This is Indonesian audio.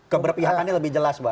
keberpihakannya lebih jelas bang